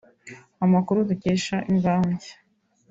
Amakuru dukesha Imvaho Nshya